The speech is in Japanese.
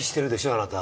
あなた。